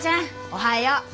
おはよう！